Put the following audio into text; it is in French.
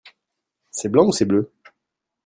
C'est blanc ou c'est bleu ?